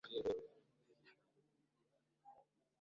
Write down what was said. urwo ashaka narangiza arataha